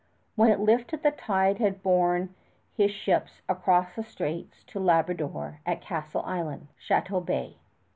When it lifted the tide had borne his ships across the straits to Labrador at Castle Island, Château Bay.